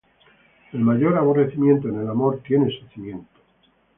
El mayor aborrecimiento, en el amor tiene su cimiento.